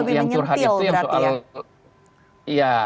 itu lebih menyentil berarti ya